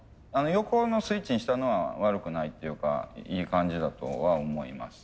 横のスイッチにしたのは悪くないっていうかいい感じだとは思います。